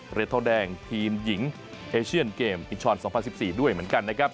เหรียญทองแดงทีมหญิงเอเชียนเกมอิชชอน๒๐๑๔ด้วยเหมือนกันนะครับ